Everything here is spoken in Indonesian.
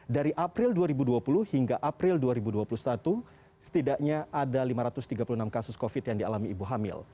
dari april dua ribu dua puluh hingga april dua ribu dua puluh satu setidaknya ada lima ratus tiga puluh enam kasus covid yang dialami ibu hamil